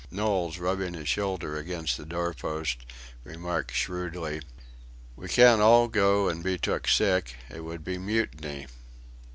Knowles, rubbing his shoulder against the doorpost, remarked shrewdly: "We can't all go an' be took sick it would be mutiny."